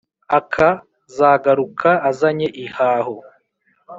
aka zagaruka azanye ihaho.